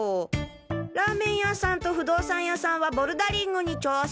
ラーメン屋さんと不動産屋さんはボルダリングに挑戦。